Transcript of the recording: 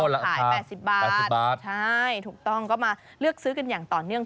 ขาย๘๐บาทใช่ถูกต้องก็มาเลือกซื้อกันอย่างต่อเนื่อง